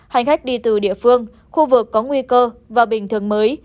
hành khách đi từ địa phương khu vực có nguy cơ và bình thường mới